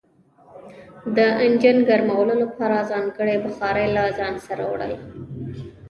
د انجن ګرمولو لپاره ځانګړي بخارۍ له ځان سره وړل کیږي